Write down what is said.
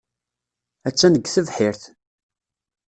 Attan deg tebḥirt.